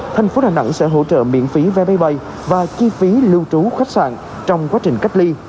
thành phố đà nẵng sẽ hỗ trợ miễn phí vé máy bay và chi phí lưu trú khách sạn trong quá trình cách ly